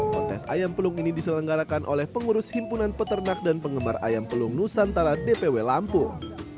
kontes ayam pelung ini diselenggarakan oleh pengurus himpunan peternak dan penggemar ayam pelung nusantara dpw lampung